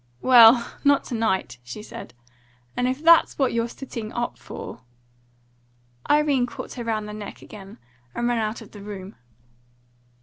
"Well, not to night," she said; "and if that's what you're sitting up for " Irene caught her round the neck again, and ran out of the room.